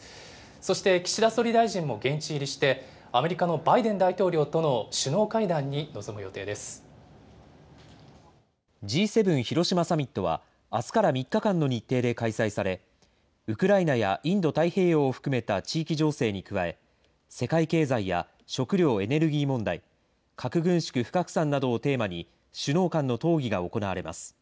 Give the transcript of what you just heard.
そして岸田総理大臣も現地入りしてアメリカのバイデン大統領とのＧ７広島サミットはあすから３日間の日程で開催され、ウクライナやインド太平洋を含めた地域情勢に加え、世界経済や食料・エネルギー問題、核軍縮・不拡散などをテーマに首脳間の討議が行われます。